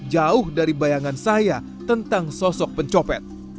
jauh dari bayangan saya tentang sosok pencopet